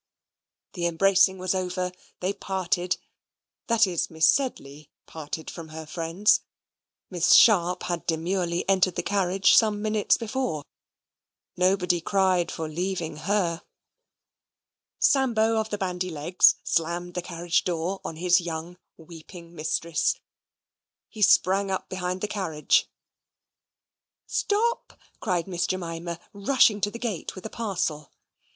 The embracing was over; they parted that is, Miss Sedley parted from her friends. Miss Sharp had demurely entered the carriage some minutes before. Nobody cried for leaving HER. Sambo of the bandy legs slammed the carriage door on his young weeping mistress. He sprang up behind the carriage. "Stop!" cried Miss Jemima, rushing to the gate with a parcel.